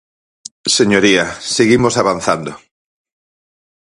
Señoría, seguimos avanzando.